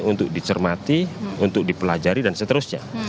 untuk dicermati untuk dipelajari dan seterusnya